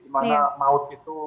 dimana maut itu